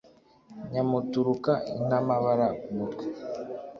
Nyamuturuka intamabara ku mutwe,